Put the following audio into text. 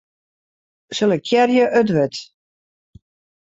Selektearje it wurd.